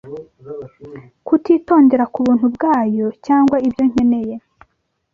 kutitondera kubuntu bwayo, cyangwa ibyo nkeneye